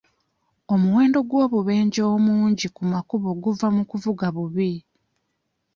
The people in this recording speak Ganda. Omuwendo gw'obubenje omungi ku makubo guva mu kuvuga bubi.